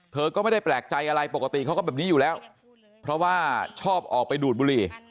เธอก็ไม่ได้แปลกใจอะไรปกติเขาก็แบบนี้อยู่แล้วเพราะว่าชอบออกไปดูดบุหรี่